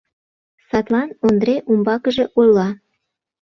Садлан Ондре умбакыже ойла: